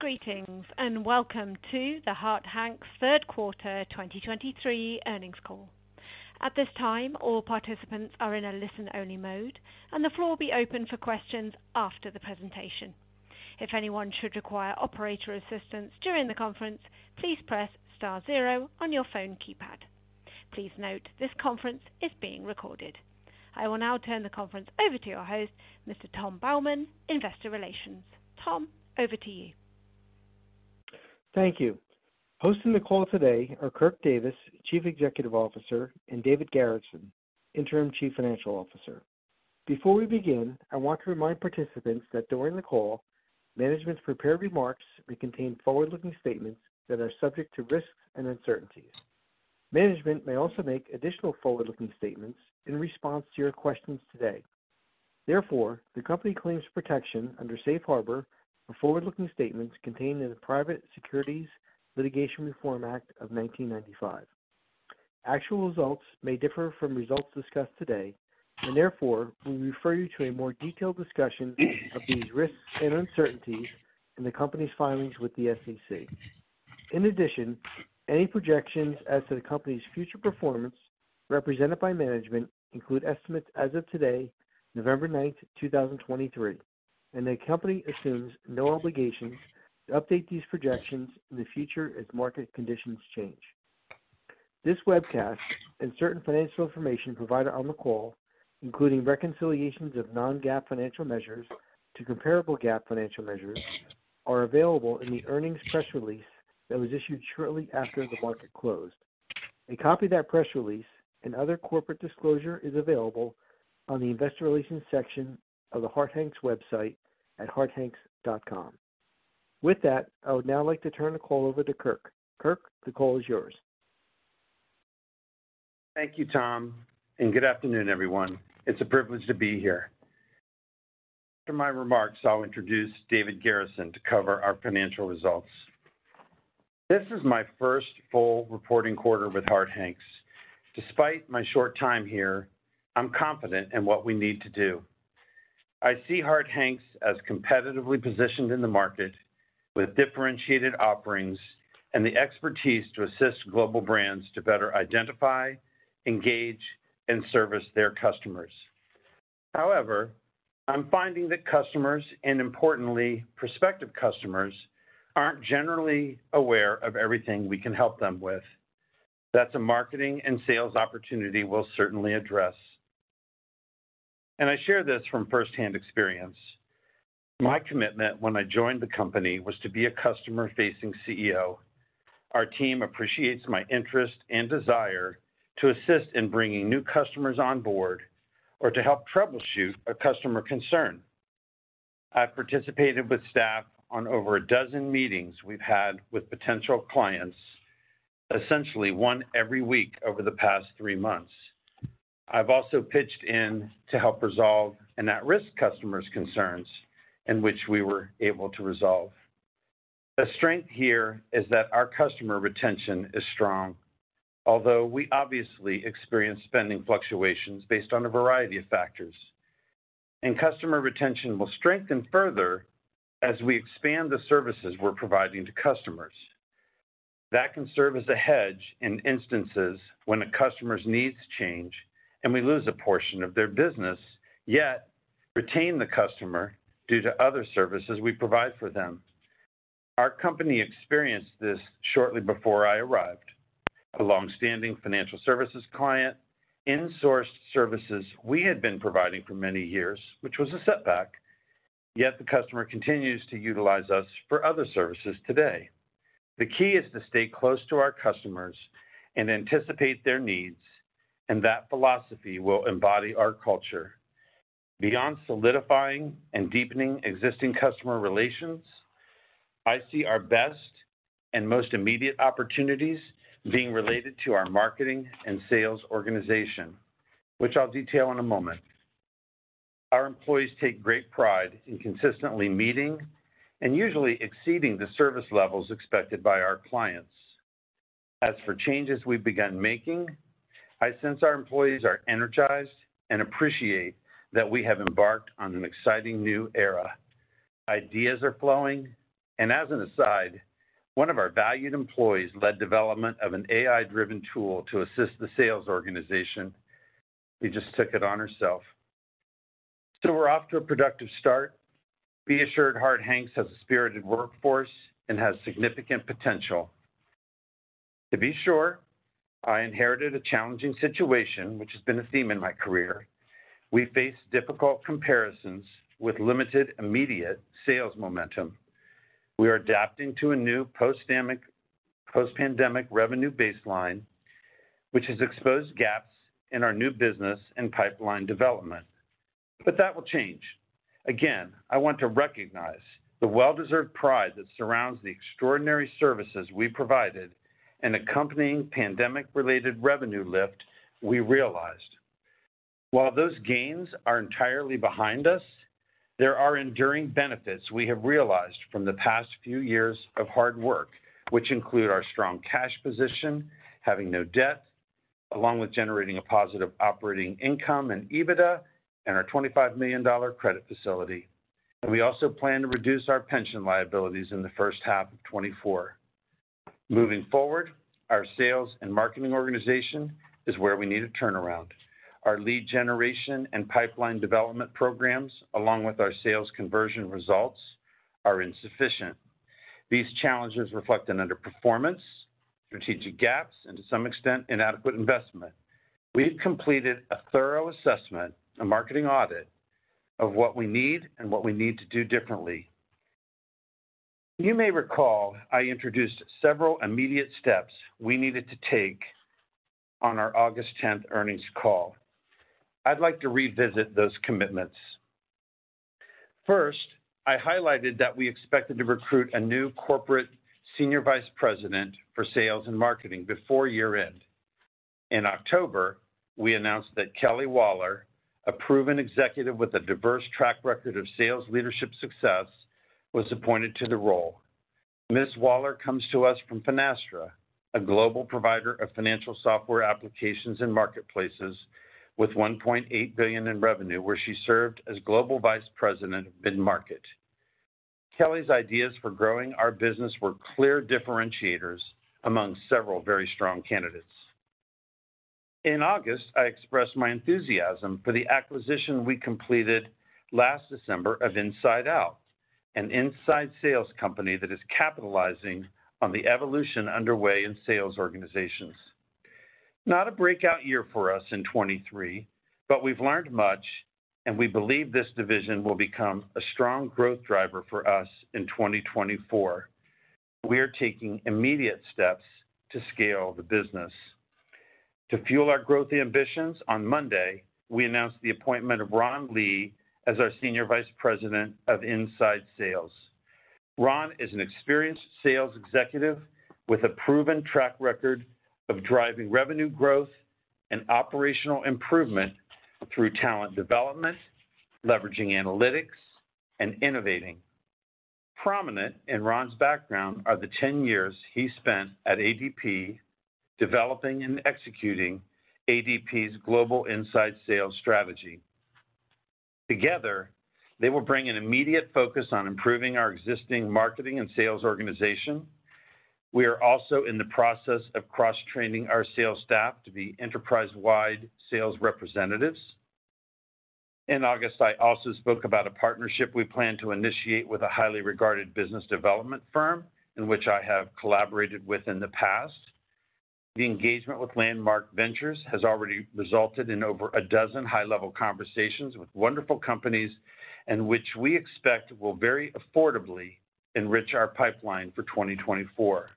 Greetings, and welcome to the Harte Hanks third quarter 2023 earnings call. At this time, all participants are in a listen-only mode, and the floor will be open for questions after the presentation. If anyone should require operator assistance during the conference, please press star zero on your phone keypad. Please note, this conference is being recorded. I will now turn the conference over to your host, Mr. Tom Baumann, Investor Relations. Tom, over to you. Thank you. Hosting the call today are Kirk Davis, Chief Executive Officer, and David Garrison, Interim Chief Financial Officer. Before we begin, I want to remind participants that during the call, management's prepared remarks may contain forward-looking statements that are subject to risks and uncertainties. Management may also make additional forward-looking statements in response to your questions today. Therefore, the company claims protection under Safe Harbor for forward-looking statements contained in the Private Securities Litigation Reform Act of 1995. Actual results may differ from results discussed today, and therefore, we refer you to a more detailed discussion of these risks and uncertainties in the company's filings with the SEC. In addition, any projections as to the company's future performance represented by management include estimates as of today, November 9, 2023, and the company assumes no obligation to update these projections in the future as market conditions change. This webcast and certain financial information provided on the call, including reconciliations of non-GAAP financial measures to comparable GAAP financial measures, are available in the earnings press release that was issued shortly after the market closed. A copy of that press release and other corporate disclosure is available on the Investor Relations section of the Harte Hanks website at hartehanks.com. With that, I would now like to turn the call over to Kirk. Kirk, the call is yours. Thank you, Tom, and good afternoon, everyone. It's a privilege to be here. After my remarks, I'll introduce David Garrison to cover our financial results. This is my first full reporting quarter with Harte Hanks. Despite my short time here, I'm confident in what we need to do. I see Harte Hanks as competitively positioned in the market with differentiated offerings and the expertise to assist global brands to better identify, engage, and service their customers. However, I'm finding that customers, and importantly, prospective customers, aren't generally aware of everything we can help them with. That's a marketing and sales opportunity we'll certainly address. I share this from firsthand experience. My commitment when I joined the company was to be a customer-facing CEO. Our team appreciates my interest and desire to assist in bringing new customers on board or to help troubleshoot a customer concern. I've participated with staff on over a dozen meetings we've had with potential clients, essentially one every week over the past 3 months. I've also pitched in to help resolve an at-risk customer's concerns in which we were able to resolve. The strength here is that our customer retention is strong, although we obviously experience spending fluctuations based on a variety of factors. Customer retention will strengthen further as we expand the services we're providing to customers. That can serve as a hedge in instances when a customer's needs change and we lose a portion of their business, yet retain the customer due to other services we provide for them. Our company experienced this shortly before I arrived. A long-standing financial services client insourced services we had been providing for many years, which was a setback, yet the customer continues to utilize us for other services today. The key is to stay close to our customers and anticipate their needs, and that philosophy will embody our culture. Beyond solidifying and deepening existing customer relations, I see our best and most immediate opportunities being related to our marketing and sales organization, which I'll detail in a moment. Our employees take great pride in consistently meeting and usually exceeding the service levels expected by our clients. As for changes we've begun making, I sense our employees are energized and appreciate that we have embarked on an exciting new era. Ideas are flowing, and as an aside, one of our valued employees led development of an AI-driven tool to assist the sales organization. She just took it on herself. So we're off to a productive start. Be assured, Harte Hanks has a spirited workforce and has significant potential. To be sure, I inherited a challenging situation, which has been a theme in my career. We face difficult comparisons with limited immediate sales momentum. We are adapting to a new post-pandemic revenue baseline, which has exposed gaps in our new business and pipeline development, but that will change. Again, I want to recognize the well-deserved pride that surrounds the extraordinary services we provided and accompanying pandemic-related revenue lift we realized. While those gains are entirely behind us, there are enduring benefits we have realized from the past few years of hard work, which include our strong cash position, having no debt, along with generating a positive operating income and EBITDA, and our $25 million credit facility. We also plan to reduce our pension liabilities in the first half of 2024. Moving forward, our sales and marketing organization is where we need a turnaround. Our lead generation and pipeline development programs, along with our sales conversion results, are insufficient. These challenges reflect an underperformance, strategic gaps, and to some extent, inadequate investment. We've completed a thorough assessment, a marketing audit, of what we need and what we need to do differently. You may recall, I introduced several immediate steps we needed to take on our August 10th earnings call. I'd like to revisit those commitments. First, I highlighted that we expected to recruit a new corporate senior vice president for sales and marketing before year-end. In October, we announced that Kelly Waller, a proven executive with a diverse track record of sales leadership success, was appointed to the role. Ms. Waller comes to us from Finastra, a global provider of financial software applications and marketplaces with $1.8 billion in revenue, where she served as Global Vice President of Mid-Market. Kelly's ideas for growing our business were clear differentiators among several very strong candidates. In August, I expressed my enthusiasm for the acquisition we completed last December of InsideOut, an inside sales company that is capitalizing on the evolution underway in sales organizations. Not a breakout year for us in 2023, but we've learned much, and we believe this division will become a strong growth driver for us in 2024. We are taking immediate steps to scale the business. To fuel our growth ambitions, on Monday, we announced the appointment of Ron Lee as our Senior Vice President of Inside Sales. Ron is an experienced sales executive with a proven track record of driving revenue growth and operational improvement through talent development, leveraging analytics, and innovating. Prominent in Ron's background are the 10 years he spent at ADP, developing and executing ADP's global inside sales strategy. Together, they will bring an immediate focus on improving our existing marketing and sales organization. We are also in the process of cross-training our sales staff to be enterprise-wide sales representatives. In August, I also spoke about a partnership we plan to initiate with a highly regarded business development firm, in which I have collaborated with in the past. The engagement with Landmark Ventures has already resulted in over a dozen high-level conversations with wonderful companies, and which we expect will very affordably enrich our pipeline for 2024.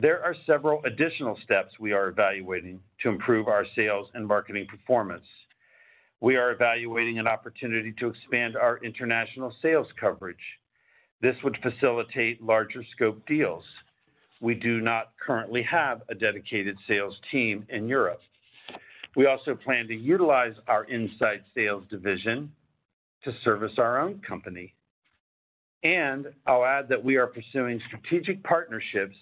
There are several additional steps we are evaluating to improve our sales and marketing performance. We are evaluating an opportunity to expand our international sales coverage. This would facilitate larger scope deals. We do not currently have a dedicated sales team in Europe. We also plan to utilize our inside sales division to service our own company, and I'll add that we are pursuing strategic partnerships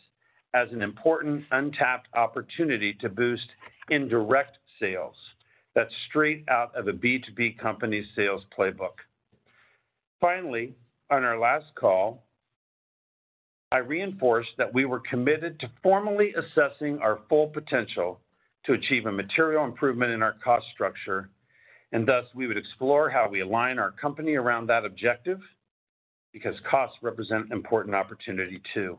as an important untapped opportunity to boost indirect sales. That's straight out of a B2B company sales playbook. Finally, on our last call, I reinforced that we were committed to formally assessing our full potential to achieve a material improvement in our cost structure, and thus, we would explore how we align our company around that objective, because costs represent important opportunity too.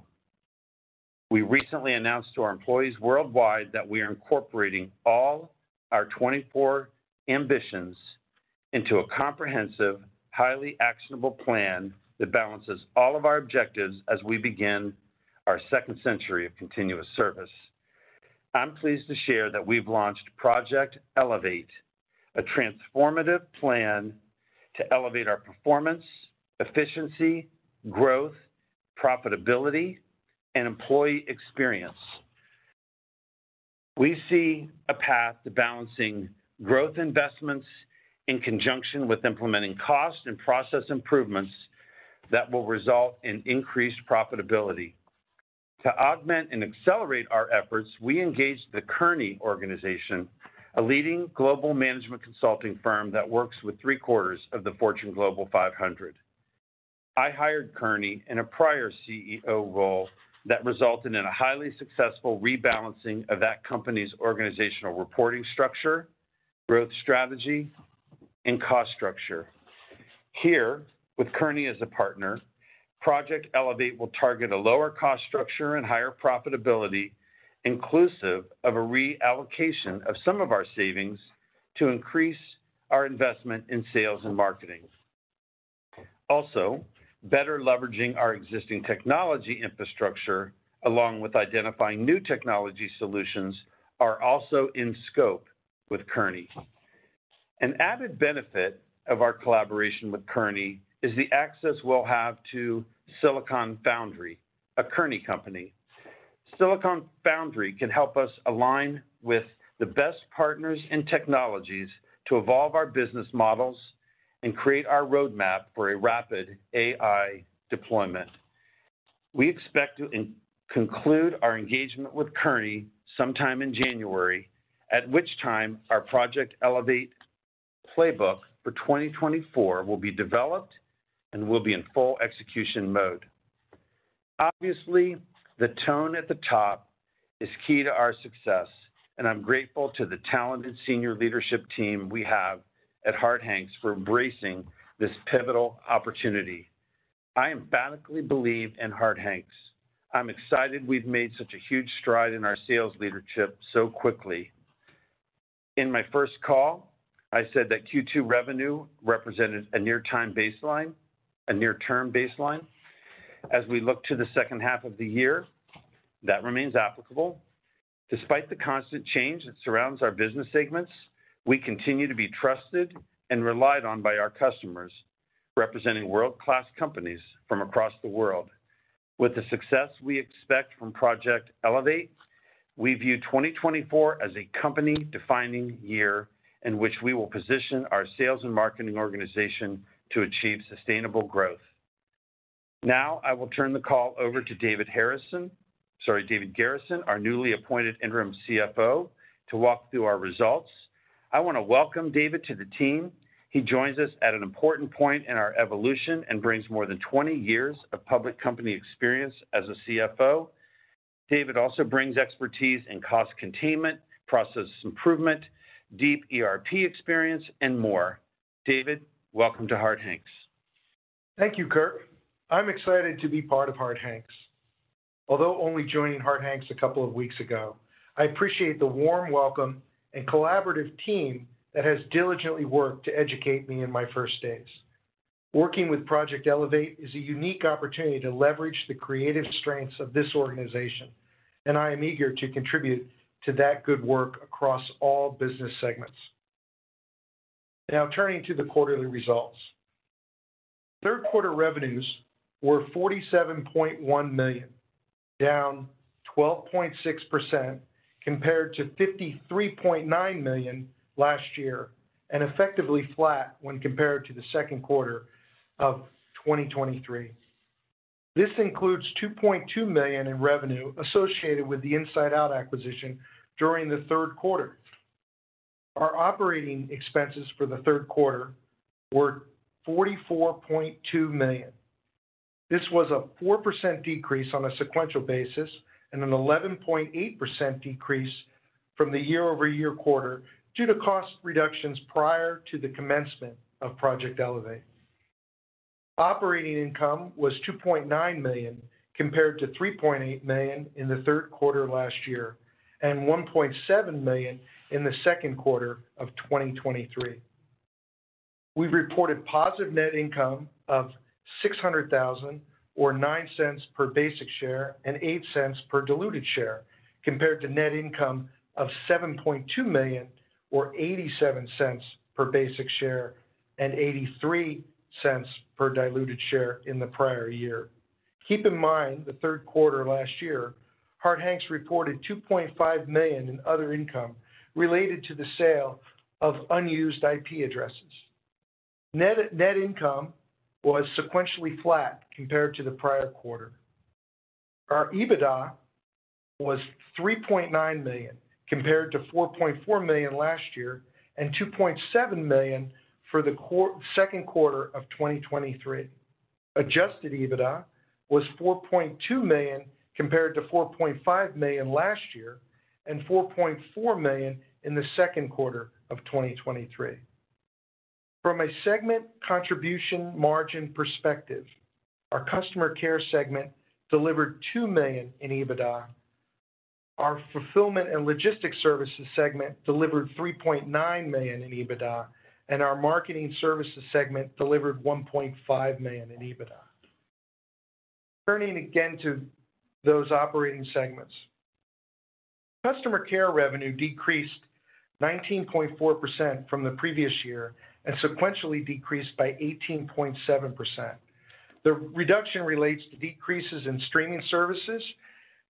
We recently announced to our employees worldwide that we are incorporating all our '24 ambitions into a comprehensive, highly actionable plan that balances all of our objectives as we begin our second century of continuous service. I'm pleased to share that we've launched Project Elevate, a transformative plan to elevate our performance, efficiency, growth, profitability, and employee experience. We see a path to balancing growth investments in conjunction with implementing cost and process improvements that will result in increased profitability. To augment and accelerate our efforts, we engaged the Kearney organization, a leading global management consulting firm that works with three-quarters of the Fortune Global 500. I hired Kearney in a prior CEO role that resulted in a highly successful rebalancing of that company's organizational reporting structure, growth strategy, and cost structure. Here, with Kearney as a partner, Project Elevate will target a lower cost structure and higher profitability, inclusive of a reallocation of some of our savings to increase our investment in sales and marketing. Also, better leveraging our existing technology infrastructure, along with identifying new technology solutions, are also in scope with Kearney. An added benefit of our collaboration with Kearney is the access we'll have to Silicon Foundry, a Kearney company. Silicon Foundry can help us align with the best partners in technologies to evolve our business models and create our roadmap for a rapid AI deployment.... We expect to conclude our engagement with Kearney sometime in January, at which time our Project Elevate playbook for 2024 will be developed and we'll be in full execution mode. Obviously, the tone at the top is key to our success, and I'm grateful to the talented senior leadership team we have at Harte Hanks for embracing this pivotal opportunity. I emphatically believe in Harte Hanks. I'm excited we've made such a huge stride in our sales leadership so quickly. In my first call, I said that Q2 revenue represented a near-term baseline, a near-term baseline, as we look to the second half of the year, that remains applicable. Despite the constant change that surrounds our business segments, we continue to be trusted and relied on by our customers, representing world-class companies from across the world. With the success we expect from Project Elevate, we view 2024 as a company-defining year in which we will position our sales and marketing organization to achieve sustainable growth. Now, I will turn the call over to David Garrison, sorry, David Garrison, our newly appointed interim CFO, to walk through our results. I want to welcome David to the team. He joins us at an important point in our evolution and brings more than 20 years of public company experience as a CFO. David also brings expertise in cost containment, process improvement, deep ERP experience, and more. David, welcome to Harte Hanks. Thank you, Kirk. I'm excited to be part of Harte Hanks. Although only joining Harte Hanks a couple of weeks ago, I appreciate the warm welcome and collaborative team that has diligently worked to educate me in my first days. Working with Project Elevate is a unique opportunity to leverage the creative strengths of this organization, and I am eager to contribute to that good work across all business segments. Now, turning to the quarterly results. Third quarter revenues were $47.1 million, down 12.6% compared to $53.9 million last year, and effectively flat when compared to the second quarter of 2023. This includes $2.2 million in revenue associated with the InsideOut acquisition during the third quarter. Our operating expenses for the third quarter were $44.2 million. This was a 4% decrease on a sequential basis and an 11.8% decrease from the year-over-year quarter due to cost reductions prior to the commencement of Project Elevate. Operating income was $2.9 million, compared to $3.8 million in the third quarter last year, and $1.7 million in the second quarter of 2023. We've reported positive net income of $600,000 or $0.09 per basic share and $0.08 per diluted share, compared to net income of $7.2 million or $0.87 per basic share and $0.83 per diluted share in the prior year. Keep in mind, the third quarter last year, Harte Hanks reported $2.5 million in other income related to the sale of unused IP addresses. Net, net income was sequentially flat compared to the prior quarter. Our EBITDA was $3.9 million, compared to $4.4 million last year, and $2.7 million for the second quarter of 2023. Adjusted EBITDA was $4.2 million, compared to $4.5 million last year, and $4.4 million in the second quarter of 2023. From a segment contribution margin perspective, our Customer Care segment delivered $2 million in EBITDA. Our Fulfillment and Logistics Services segment delivered $3.9 million in EBITDA, and our Marketing Services segment delivered $1.5 million in EBITDA. Turning again to those operating segments. Customer Care revenue decreased 19.4% from the previous year and sequentially decreased by 18.7%. The reduction relates to decreases in streaming services,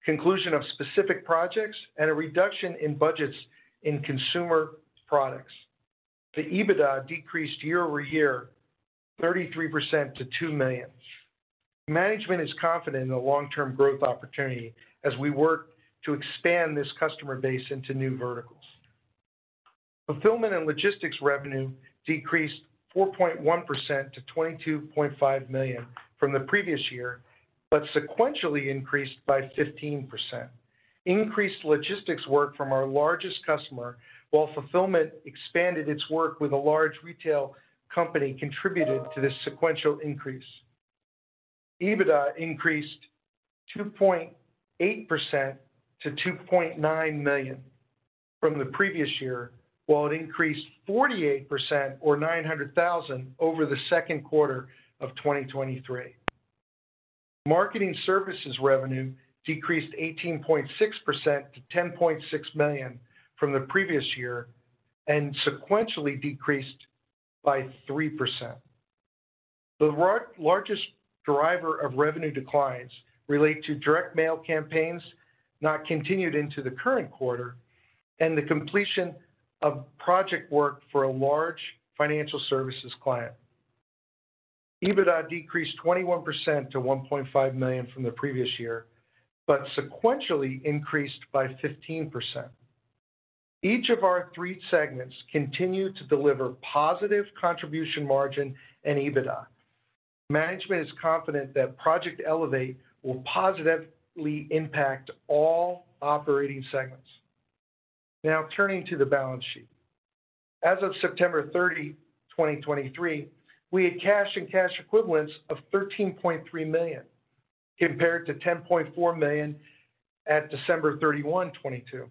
conclusion of specific projects, and a reduction in budgets in consumer products. The EBITDA decreased year-over-year 33% to $2 million. Management is confident in the long-term growth opportunity as we work to expand this customer base into new verticals. Fulfillment and Logistics revenue decreased 4.1% to $22.5 million from the previous year, but sequentially increased by 15%. Increased logistics work from our largest customer, while fulfillment expanded its work with a large retail company, contributed to this sequential increase. EBITDA increased 2.8% to $2.9 million from the previous year, while it increased 48% or $900,000 over the second quarter of 2023. Marketing Services revenue decreased 18.6% to $10.6 million from the previous year and sequentially decreased by 3%. The largest driver of revenue declines relate to direct mail campaigns not continued into the current quarter-... and the completion of project work for a large financial services client. EBITDA decreased 21% to $1.5 million from the previous year, but sequentially increased by 15%. Each of our three segments continued to deliver positive contribution margin and EBITDA. Management is confident that Project Elevate will positively impact all operating segments. Now, turning to the balance sheet. As of September 30, 2023, we had cash and cash equivalents of $13.3 million, compared to $10.4 million at December 31, 2022.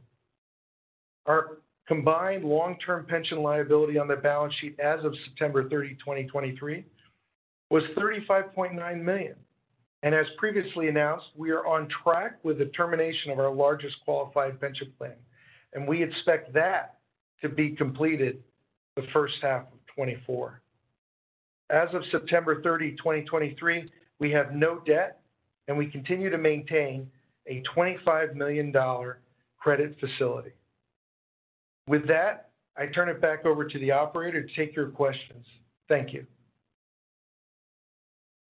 Our combined long-term pension liability on the balance sheet as of September 30, 2023, was $35.9 million. And as previously announced, we are on track with the termination of our largest qualified pension plan, and we expect that to be completed the first half of 2024. As of September 30, 2023, we have no debt, and we continue to maintain a $25 million credit facility. With that, I turn it back over to the Operator to take your questions. Thank you.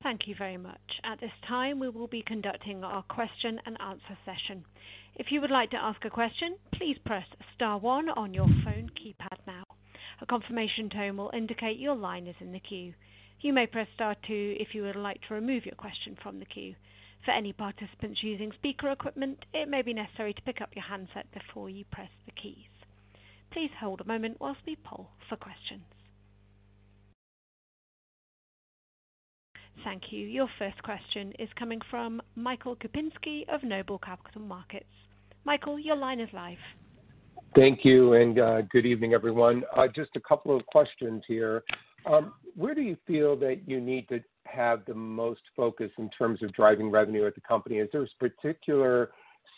Thank you very much. At this time, we will be conducting our question and answer session. If you would like to ask a question, please press star one on your phone keypad now. A confirmation tone will indicate your line is in the queue. You may press star two if you would like to remove your question from the queue. For any participants using speaker equipment, it may be necessary to pick up your handset before you press the keys. Please hold a moment while we poll for questions. Thank you. Your first question is coming from Michael Kupinski of Noble Capital Markets. Michael, your line is live. Thank you, and good evening, everyone. Just a couple of questions here. Where do you feel that you need to have the most focus in terms of driving revenue at the company? Is there a particular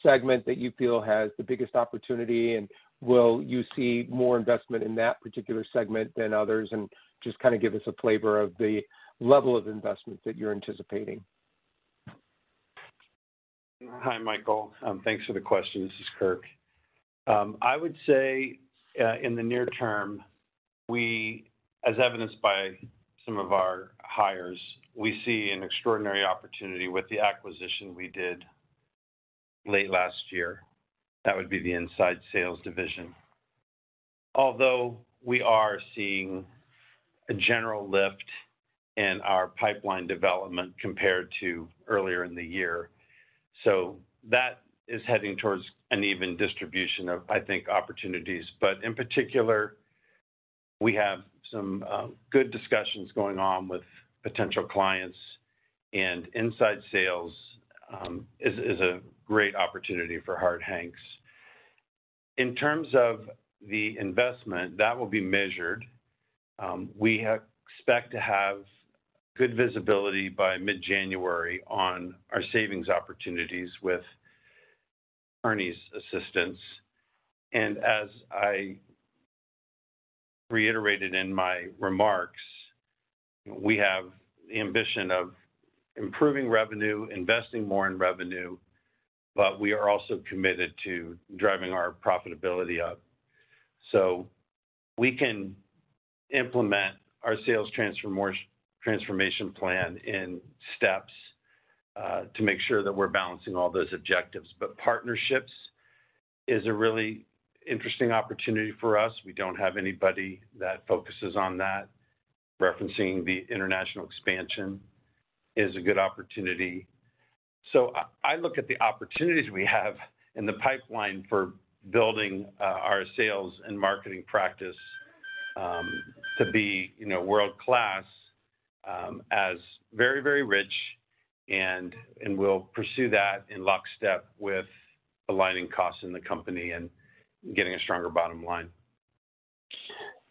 segment that you feel has the biggest opportunity, and will you see more investment in that particular segment than others? Just kind of give us a flavor of the level of investment that you're anticipating? Hi, Michael. Thanks for the question. This is Kirk. I would say in the near term, we, as evidenced by some of our hires, we see an extraordinary opportunity with the acquisition we did late last year. That would be the inside sales division. Although we are seeing a general lift in our pipeline development compared to earlier in the year, so that is heading towards an even distribution of, I think, opportunities. But in particular, we have some good discussions going on with potential clients, and inside sales is a great opportunity for Harte Hanks. In terms of the investment, that will be measured. We expect to have good visibility by mid-January on our savings opportunities with Kearney's assistance. As I reiterated in my remarks, we have the ambition of improving revenue, investing more in revenue, but we are also committed to driving our profitability up. So we can implement our sales transformation plan in steps to make sure that we're balancing all those objectives. But partnerships is a really interesting opportunity for us. We don't have anybody that focuses on that. Referencing the international expansion is a good opportunity. So I look at the opportunities we have in the pipeline for building our sales and marketing practice to be, you know, world-class, as very, very rich, and we'll pursue that in lockstep with aligning costs in the company and getting a stronger bottom line.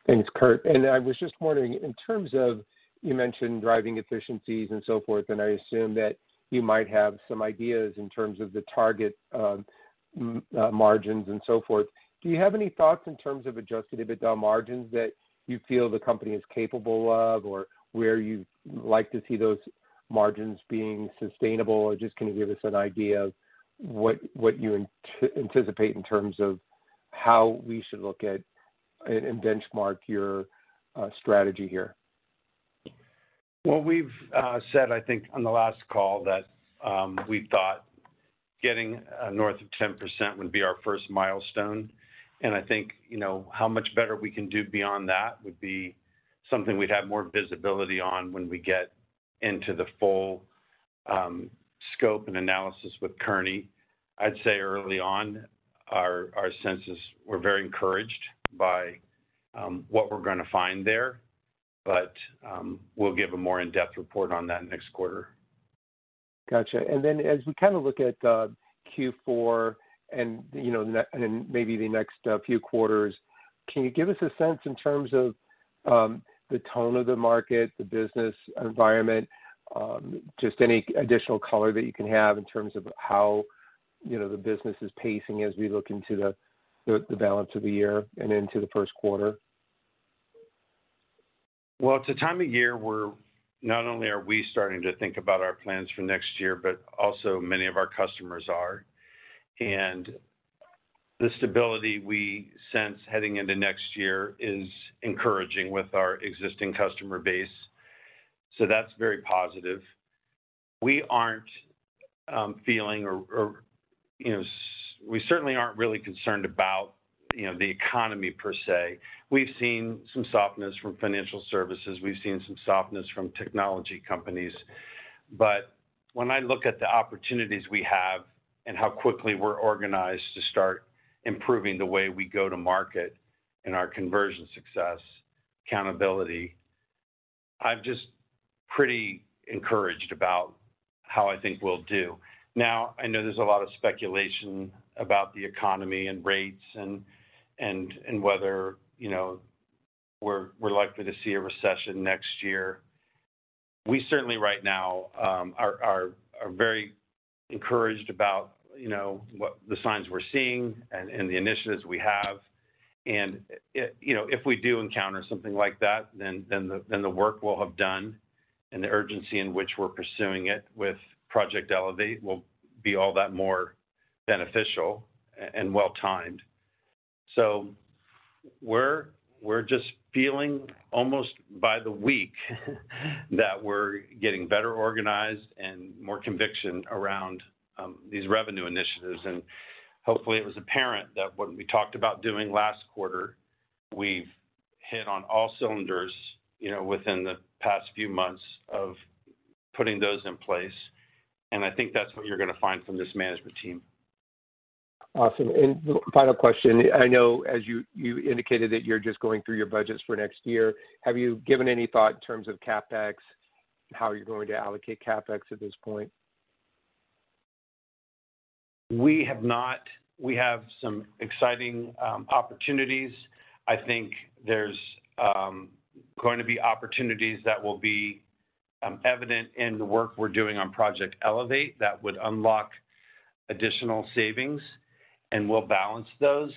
Thanks, Kirk. And I was just wondering, in terms of, you mentioned driving efficiencies and so forth, and I assume that you might have some ideas in terms of the target margins and so forth. Do you have any thoughts in terms of adjusted EBITDA margins that you feel the company is capable of, or where you'd like to see those margins being sustainable? Or just can you give us an idea of what you anticipate in terms of how we should look at and benchmark your strategy here? Well, we've said, I think, on the last call, that we thought getting north of 10% would be our first milestone. And I think, you know, how much better we can do beyond that would be something we'd have more visibility on when we get into the full scope and analysis with Kearney. I'd say early on, our sense, we're very encouraged by what we're gonna find there, but we'll give a more in-depth report on that next quarter. Gotcha. And then as we kind of look at Q4 and, you know, and maybe the next few quarters, can you give us a sense in terms of the tone of the market, the business environment, just any additional color that you can have in terms of how, you know, the business is pacing as we look into the balance of the year and into the first quarter?... Well, it's a time of year where not only are we starting to think about our plans for next year, but also many of our customers are. And the stability we sense heading into next year is encouraging with our existing customer base, so that's very positive. We aren't feeling, you know, we certainly aren't really concerned about, you know, the economy per se. We've seen some softness from financial services. We've seen some softness from technology companies. But when I look at the opportunities we have and how quickly we're organized to start improving the way we go to market and our conversion success, accountability, I'm just pretty encouraged about how I think we'll do. Now, I know there's a lot of speculation about the economy and rates and whether, you know, we're likely to see a recession next year. We certainly, right now, are very encouraged about, you know, what the signs we're seeing and the initiatives we have. And, you know, if we do encounter something like that, then the work we'll have done and the urgency in which we're pursuing it with Project Elevate will be all that more beneficial and well-timed. So we're just feeling almost by the week, that we're getting better organized and more conviction around these revenue initiatives. And hopefully, it was apparent that what we talked about doing last quarter, we've hit on all cylinders, you know, within the past few months of putting those in place. And I think that's what you're gonna find from this management team. Awesome. And final question: I know, as you, you indicated that you're just going through your budgets for next year. Have you given any thought in terms of CapEx? How are you going to allocate CapEx at this point? We have not. We have some exciting opportunities. I think there's going to be opportunities that will be evident in the work we're doing on Project Elevate, that would unlock additional savings, and we'll balance those.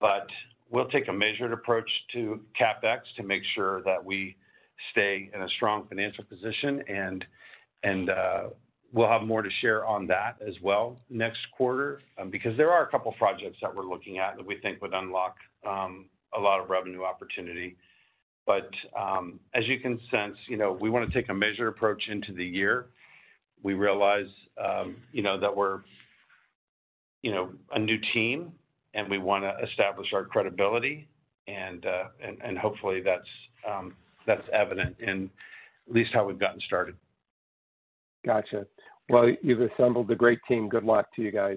But we'll take a measured approach to CapEx to make sure that we stay in a strong financial position, and we'll have more to share on that as well next quarter. Because there are a couple projects that we're looking at, that we think would unlock a lot of revenue opportunity. But as you can sense, you know, we wanna take a measured approach into the year. We realize, you know, that we're, you know, a new team, and we wanna establish our credibility, and hopefully that's evident in at least how we've gotten started. Gotcha. Well, you've assembled a great team. Good luck to you guys.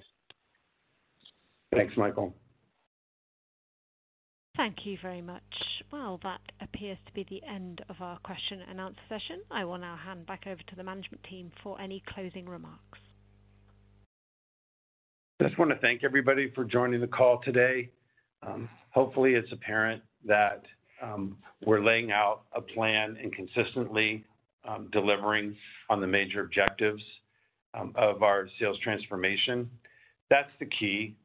Thanks, Michael. Thank you very much. Well, that appears to be the end of our question-and-answer session. I will now hand back over to the management team for any closing remarks. Just wanna thank everybody for joining the call today. Hopefully, it's apparent that we're laying out a plan and consistently delivering on the major objectives of our sales transformation. That's the key,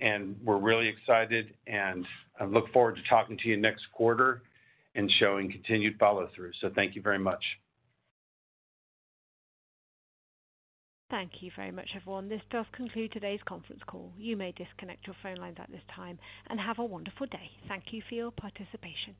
and we're really excited, and I look forward to talking to you next quarter and showing continued follow-through. So thank you very much. Thank you very much, everyone. This does conclude today's conference call. You may disconnect your phone lines at this time, and have a wonderful day. Thank you for your participation.